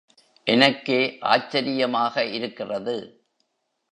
எனக்கே ஆச்சரியமாக இருக்கிறது.